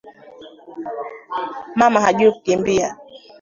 Mama hajui kukimbia